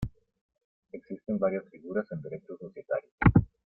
Existen varias figuras en Derecho societario.